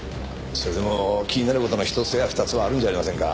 それでも気になる事の１つや２つはあるんじゃありませんか？